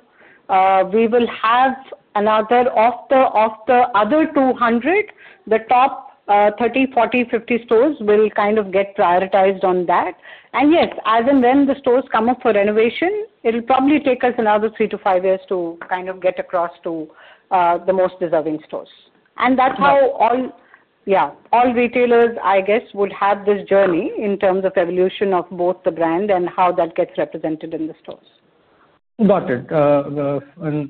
We will have another of the, of the other 200, the top 30-40-50 stores will kind of get prioritized on that. Yes, as the stores come up for renovation, it will probably take us another three to five years to kind of get across to the most deserving stores. That's how all, yeah, all retailers I guess would have this journey in terms of evolution of both the brand and how that gets represented in the stores. Got it. Coming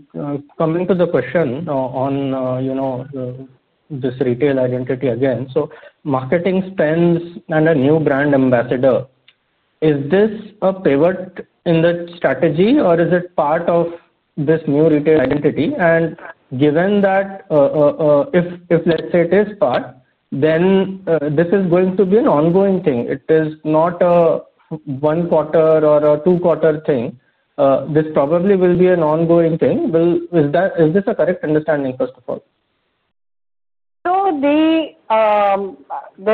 to the question on, you know, this retail identity again. So marketing spends and a new brand ambassador, is this a pivot in the strategy or is it part of this new retail identity? And given that if, let's say it is part of, then this is going to be an ongoing thing. It is not a 1/4 or a 2/4 thing. This probably will be an ongoing thing. Will, is that, is this correct? Understanding first of all? The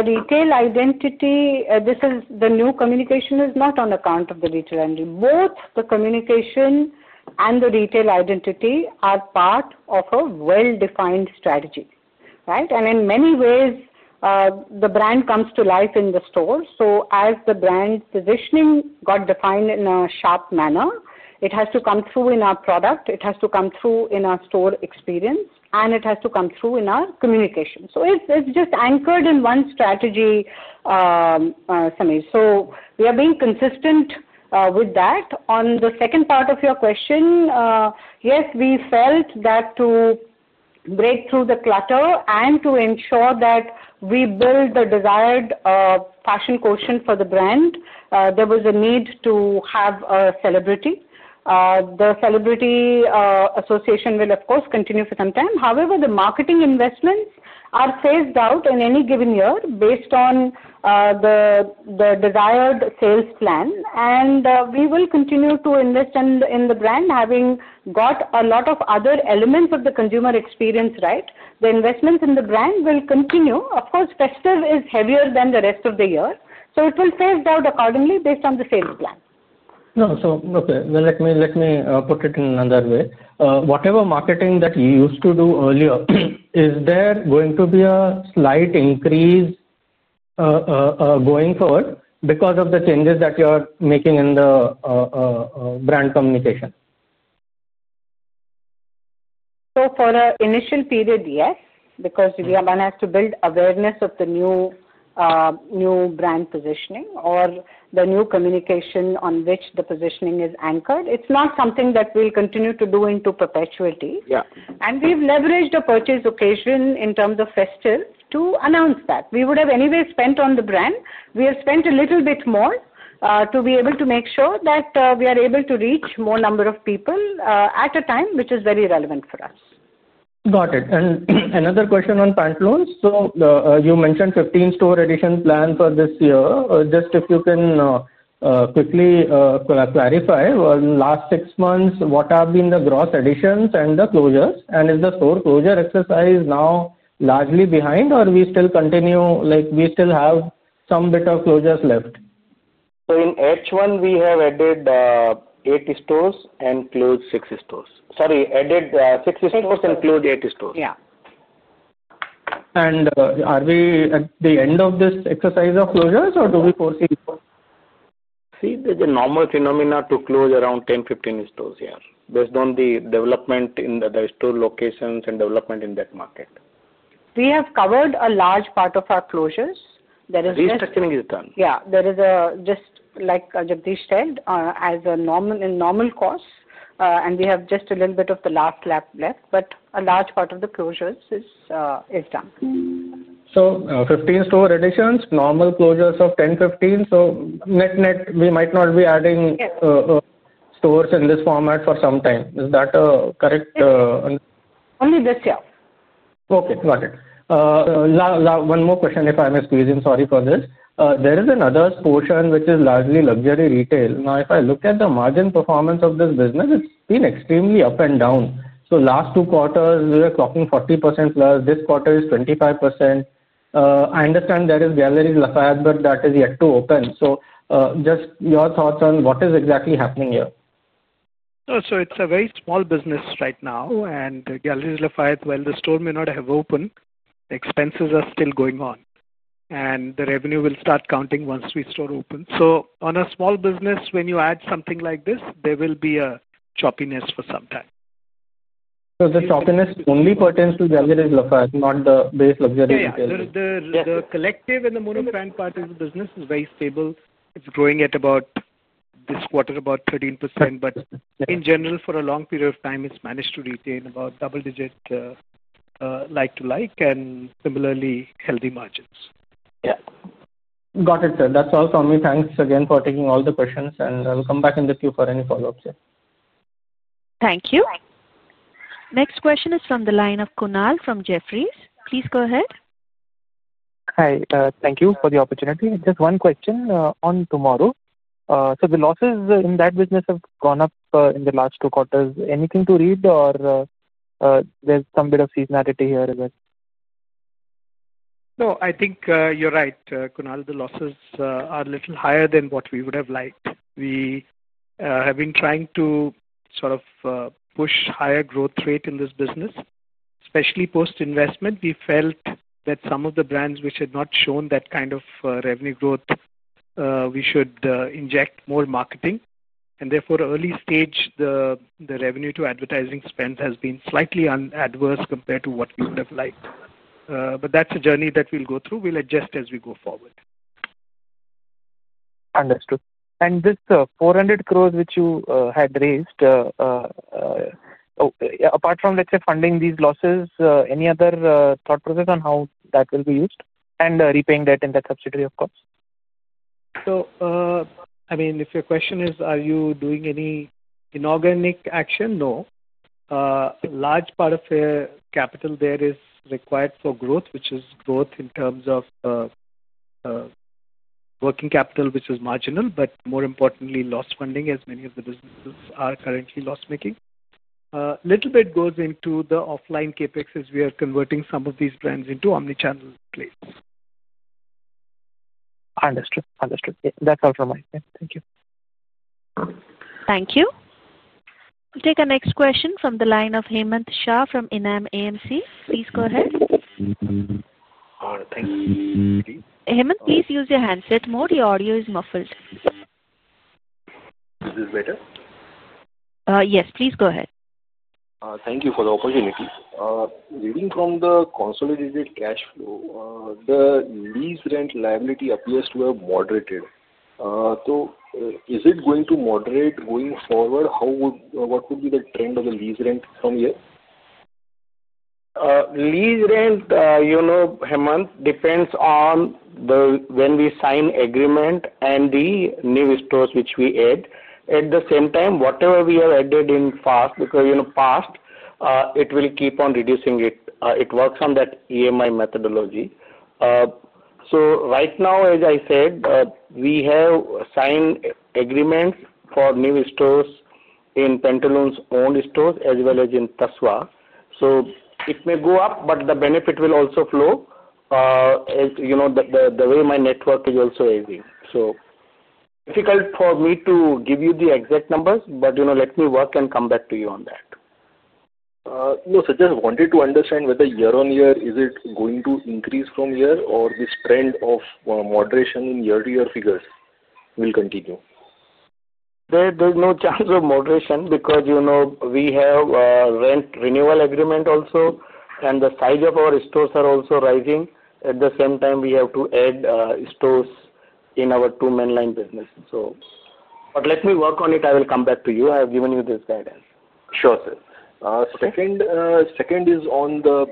retail identity, this is the new communication, is not on account of the retail. Both the communication and the retail identity are part of a well-defined strategy. In many ways, the brand comes to life in the store. As the brand positioning got defined in a sharp manner, it has to come through in our product, it has to come through in our store experience, and it has to come through in our communication. It is just anchored in one strategy, Sameer. We are being consistent with that. On the second part of your question, yes, we felt that to break through the clutter and to ensure that we build the desired fashion quotient for the brand, there was a need to have a celebrity. The celebrity association will, of course, continue for some time. However, the marketing investments are phased out in any given year based on the desired sales plan. We will continue to invest in the brand. Having got a lot of other elements of the consumer experience right, the investments in the brand will continue. Of course, Festive is heavier than the rest of the year, so it will phase out accordingly based on the sales plan. Let me put it in another way. Whatever marketing that you used to do earlier, is there going to be a slight increase going forward because of the changes that you are making in the brand communication? For an initial period, yes, because one has to build awareness of the new brand positioning or the new communication on which the positioning is anchored. It is not something that we will continue to do in terms of perpetuality. We have leveraged a purchase occasion in terms of festive to announce that we would have anyway spent on the brand. We have spent a little bit more to be able to make sure that we are able to reach more number of people at a time which is very relevant for us. Got it. Another question on Pantaloons. You mentioned 15 store addition plan for this year. Just if you can quickly clarify, last six months what have been the gross additions and the closures, and is the store closure exercise now largely behind, or we still continue, like we still have some bit of closures left. In H1 we have added eight stores and closed six stores. Sorry, added six stores, include eight stores. Yeah. Are we at the end of this exercise of closures or do we foresee? See, there's a normal phenomenon to close around 10-15 stores here based on the development in the store locations and development in that market. We have covered a large part of our closures. Restructuring is done. Yeah, there is a. Just like Jagdish said, as a normal, in normal costs, and we have just a little bit of the last lap left. A large part of the closures is done. Fifteen store additions, normal closures of ten to fifteen. Net net. We might not be adding stores in this format for some time, is that correct? Only this year. Okay, got it. One more question. If I miss squeezing. Sorry for this, there is another portion which is largely luxury retail. Now if I look at the margin performance of this business, it's been extremely up and down. Last two quarters we were clocking 40% plus, this quarter is 25%. I understand there is Galeries Lafayette, but that is yet to open. Just your thoughts on what is exactly happening here. It's a very small business right now and Galeries Lafayette. While the store may not have opened, expenses are still going on and the revenue will start counting once we store open. On a small business when you add something like this there will be a choppiness for some time. The choppiness only pertains to the unit, not the base luxury. The Collective and the monofan part of the business is very stable. It's growing at about this quarter, about 13%. In general, for a long period of time it's managed to retain about double-digit like-to-like and similarly healthy margins. Yeah, got it sir. That's all from me. Thanks again for taking all the questions and I'll come back in the queue for any follow ups. Thank you. Next question is from the line of Kunal from Jefferies. Please go ahead. Hi, thank you for the opportunity. Just one question on TMRW. The losses in that business have. Gone up in the last two quarters. Anything to read or there's some bit of seasonality here as well. No, I think you're right, Kunal. The losses are a little higher than what we would have liked. We have been trying to sort of push higher growth rate in this business, especially post investment. We felt that some of the brands which had not shown that kind of revenue growth, we should inject more marketing and therefore early stage. The revenue to advertising spend has been slightly adverse compared to what we would have liked. That is a journey that we'll go through. We'll adjust as well. We go forward. Understood. And this 400 crore which you had raised. Apart from let's say funding these. Losses, any other thought process on how that will be used and repaying that in that subsidiary of cops? I mean if your question is are you doing any inorganic action? No, large part of the capital there is required for growth, which is growth in terms of working capital, which is marginal. More importantly, loss funding as many of the businesses are currently loss making. Little bit goes into the offline CapEx as we are converting some of these brands into omnichannel plays. Understood, Understood. That's all from me. Thank you. Thank you. We'll take our next question from the line of Hemant Shah from ENAM AMC. Please go ahead. Thank you. Hemant, please use your handset mode. Your audio is muffled. Yes, please go ahead. Thank you for the opportunity. Reading from the consolidated cash flow, the lease rent liability appears to have moderated. Is it going to moderate going forward? How would, what would be the trend of the lease rent from here? Lease rent, you know, it depends on when we sign agreement and the new stores which we add. At the same time, whatever we have added in past, because you know, past it will keep on reducing it. It works on that EMI methodology. Right now, as I said, we have signed agreements for new stores in Pantaloons' own stores as well as in TASVA, so it may go up, but the benefit will also flow as you know the way my network is also. It is difficult for me to give you the exact numbers, but you know, let me work and come back to you on that. No, just wanted to understand whether year-on-year is it going to increase from here or the spread of moderation in year to year figures will continue. There's no chance of moderation because you know we have rent renewal agreement also and the size of our stores are also rising at the same time we have to add stores in our two mainline business so let me work on it. I will come back to you. I have given you this guidance. Sure sir. Second is on the.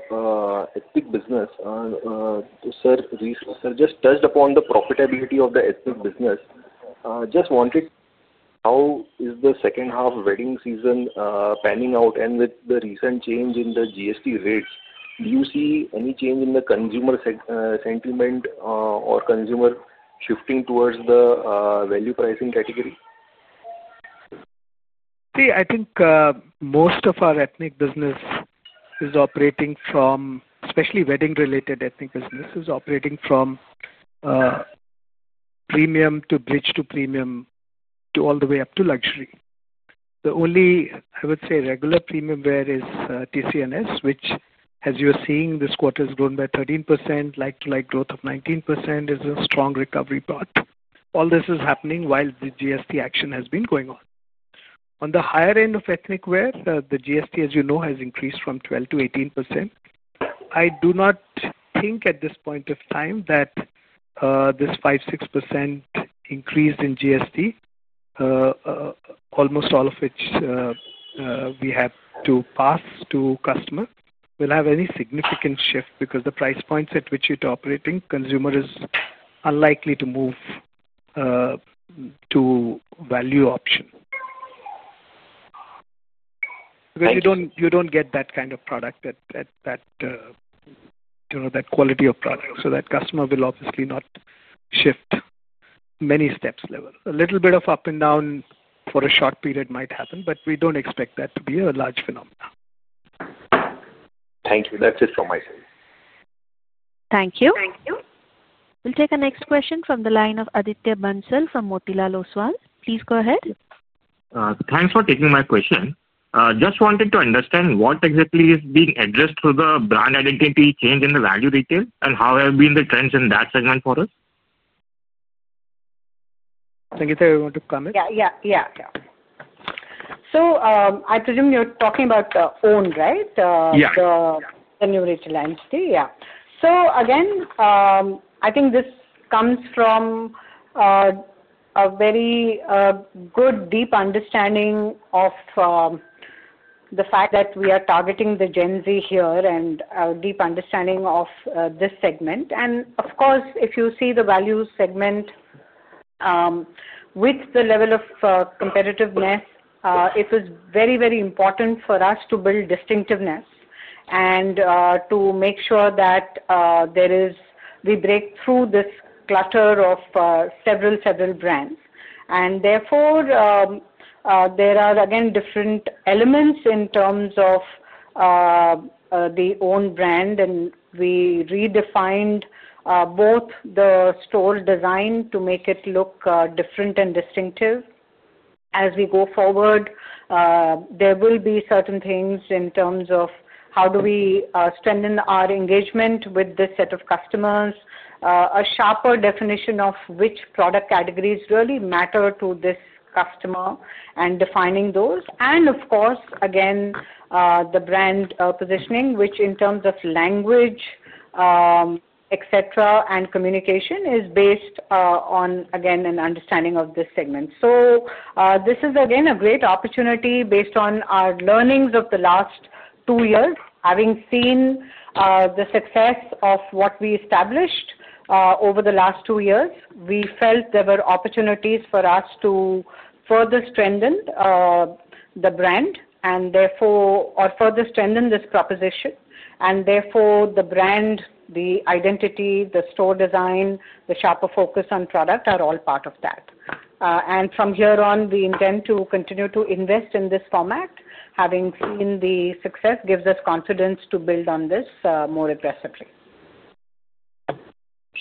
Just touched. Upon the profitability of the Ethnic business. Just wanted how is the second half wedding season panning out, and with the recent change in the GST rates, do you see any change in the consumer sentiment or consumer shifting towards the value pricing category? See I think most of our Ethnic business is operating from especially wedding related Ethnic businesses operating from premium to bridge to premium to all the way up to luxury. The only I would say regular premium wear is TCNS which as you are seeing this quarter has grown by 13%. Like-to-like growth of 19% is a strong recovery path. All this is happening while the GST action has been going on on the higher end of Ethnic wear. The GST as you know has increased from 12% to 18%. I do not think at this point of time that this 5%-6% increase in GST almost all of which we have to pass to customer will have any significant shift because the price points at which it operating consumer is unlikely to move to value option. You don't get that kind of product, that quality of product, so that customer will obviously not shift many steps level. A little bit of up and down for a short period might happen, but we don't expect that to be a large phenomenon. Thank you. That's it from my side. Thank you. We'll take our next question from the line of Aditya Bansal from Motilal Oswal. Please go ahead. Thanks for taking my question. Just wanted to understand what exactly is. Being addressed through the brand identity change in the value retail and how have been the trends in that segment for us? Sangeeta, you want to comment? Yeah, yeah. I presume you're talking about OWND!, right? Yeah, the new retail entity. I think this comes from a very good deep understanding of the fact that we are targeting the Gen Z here and our deep understanding of this segment. Of course, if you see the value segment with the level of competitiveness, it is very, very important for us to build distinctiveness and to make sure that we break through this clutter of several brands. Therefore, there are different elements in terms of the OWND! brand. We redefined both the store design to make it look different and distinctive. As we go forward, there will be certain things in terms of how do we strengthen our engagement with this set of customers, a sharper definition of which product categories really matter to this customer and defining those. Of course, again the brand positioning, which in terms of language, etc., and communication is based on, again, an understanding of this segment. This is again a great opportunity. Based on our learnings of the last two years, having seen the success of what we established over the last two years, we felt there were opportunities for us to further strengthen the brand and therefore further strengthen this proposition and therefore the brand, the identity, the store design, the sharper focus on product are all part of that. From here on we intend to continue to invest in this format. Having seen the success gives us confidence to build on this more aggressively.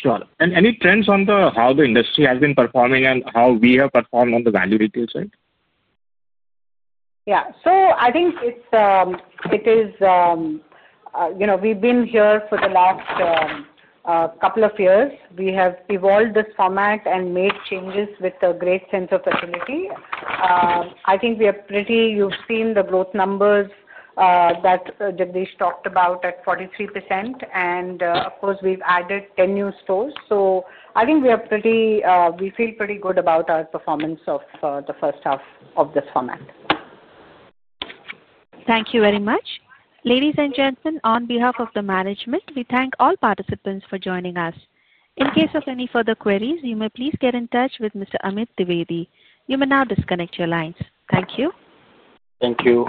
Sure. Any trends on the. How the industry has been performing and how we have performed on the value details end. Yeah, so I think it's. It is. You know, we've been here for the last couple of years. We have evolved this format and made changes with a great sense of agility. I think we are pretty. You've seen the growth numbers that Jagdish talked about at 43% and of course we've added 10 new stores. I think we are pretty. We feel pretty good about our performance of the first half of this format. Thank you very much, ladies and gentlemen. On behalf of the management, we thank all participants for joining us. In case of any further queries, you may please get in touch with Mr. Amit Trivedi. You may now disconnect your lines. Thank you. Thank you.